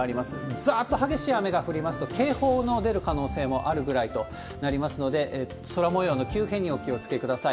ざーっと激しい雨が降りますと、警報の出る可能性もあるぐらいということですので、空もようの急変にお気をつけください。